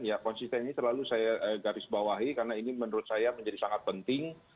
ya konsisten ini selalu saya garis bawahi karena ini menurut saya menjadi sangat penting